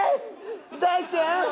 大ちゃん。